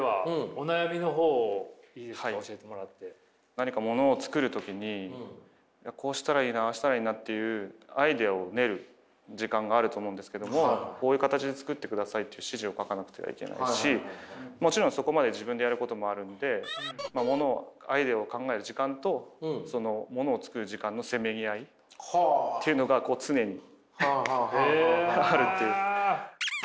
何かものを作る時にこうしたらいいなああしたらいいなっていうアイデアを練る時間があると思うんですけどもこういう形で作ってくださいっていう指示を書かなくてはいけないしもちろんそこまで自分でやることもあるのでものをアイデアを考える時間とものを作る時間のせめぎ合いっていうのが常にあるという。